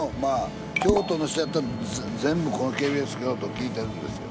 京都の人やったら全部このＫＢＳ京都聴いてるんですよ。